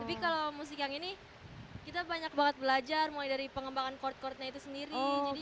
tapi kalau musik yang ini kita banyak banget belajar mulai dari pengembangan court cordnya itu sendiri